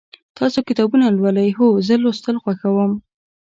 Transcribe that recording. تاسو کتابونه لولئ؟ هو، زه لوستل خوښوم